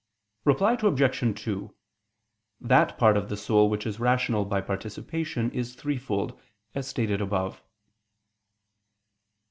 Reply Obj. 2: That part of the soul which is rational by participation is threefold, as stated above.